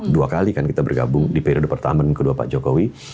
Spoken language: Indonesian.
dua kali kan kita bergabung di periode pertama dan kedua pak jokowi